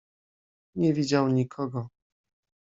"Nie widział nikogo."